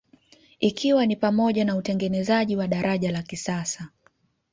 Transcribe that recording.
Ikiwa ni pamoja na utengenezaji wa daraja la kisasa